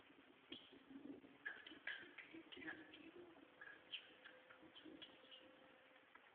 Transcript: Nach dem Krieg lebte er in Genua und begann sich für Literatur zu interessieren.